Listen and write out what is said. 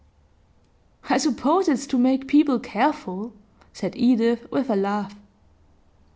'I suppose it's to make people careful,' said Edith, with a laugh.